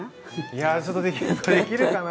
いやちょっとできるかな？